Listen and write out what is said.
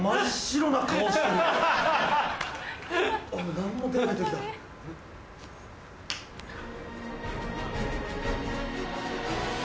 何も出ない時だ。ハハハ！